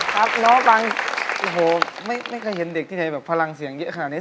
ครับน้องบางโอ้โหไม่เคยเห็นเด็กที่ไหนแบบพลังเสียงเยอะขนาดนี้